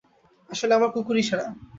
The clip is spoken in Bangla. আসলে, আমার কুকুরই সেরা।